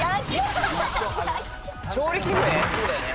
調理器具ね。